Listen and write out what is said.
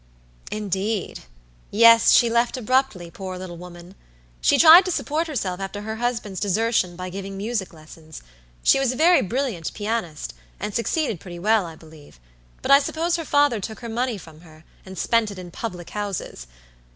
"Indeed! Yes, she left abruptly, poor little woman! She tried to support herself after her husband's desertion by giving music lessons; she was a very brilliant pianist, and succeeded pretty well, I believe. But I suppose her father took her money from her, and spent it in public houses.